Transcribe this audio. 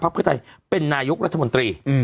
ภาพพภาคไทยเป็นนายกรัฐมนตรี